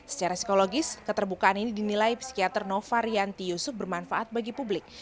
secara psikologis keterbukaan ini dinilai psikiater nova rianti yusuf bermanfaat bagi publik